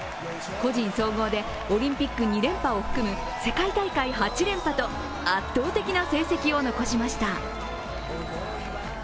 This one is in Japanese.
個人総合でオリンピック２連覇を含む世界大会８連覇と圧倒的な成績を残しました。